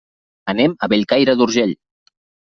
Anem a Bellcaire d'Urgell.